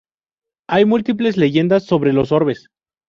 Hay múltiples leyendas sobre los orbes.